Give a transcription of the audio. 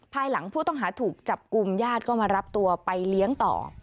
ภายหลังผู้ต้องหาถูกจับกลุ่มญาติก็มารับตัวไปเลี้ยงต่อ